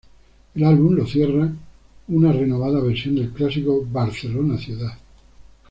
El álbum lo cierra una renovada versión del clásico "Barcelona ciudad".